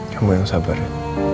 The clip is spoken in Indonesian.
kamu yang sabar ren